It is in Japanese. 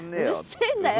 「うるせえんだよ！」。